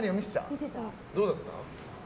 どうだった？